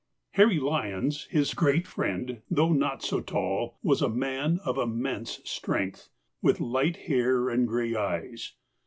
Harry Lyons, his great friend, though not so tall, was a man of immense strength, with light hair and grey eyes.